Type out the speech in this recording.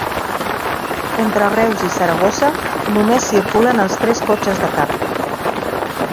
Entre Reus i Saragossa només circulen els tres cotxes de cap.